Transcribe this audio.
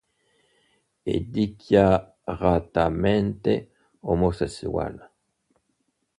È dichiaratamente omosessuale.